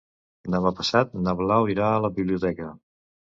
Demà passat na Blau irà a la biblioteca.